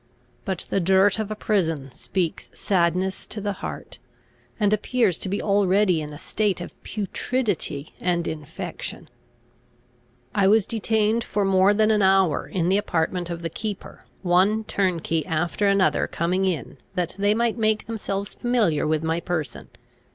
But the dirt of a prison speaks sadness to the heart, and appears to be already in a state of putridity and infection. I was detained for more than an hour in the apartment of the keeper, one turnkey after another coming in, that they might make themselves familiar with my person.